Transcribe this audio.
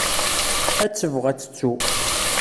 Ad tebɣu ad tettu.